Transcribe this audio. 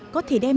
có thể đem